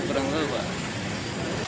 kenapa informasinya mas